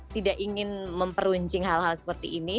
tidak ingin memperuncing hal hal seperti ini